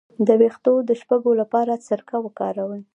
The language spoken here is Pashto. د ویښتو د شپږو لپاره سرکه وکاروئ